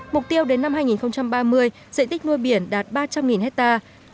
mục tiêu đến năm hai nghìn ba mươi dạy tích nuôi biển đạt ba trăm linh hectare